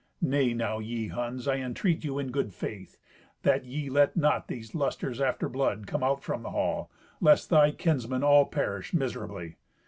"Nay now, ye Huns, I entreat you, in good faith, that ye let not these lusters after blood come out from the hall, lest thy kinsmen all perish miserably.